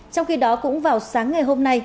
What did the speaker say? trong khi đó cũng vào sáng ngày hôm nay